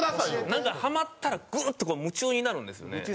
なんかハマったらグッとこう夢中になるんですよね。